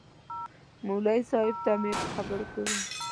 مولوي صاحب ته مې په خبرو کې ویل.